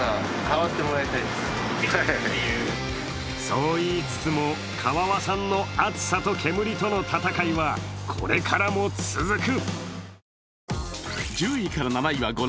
そう言いつつも川和さんの熱さと煙との戦いはこれからも続く。